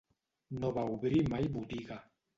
No va obrir mai botiga.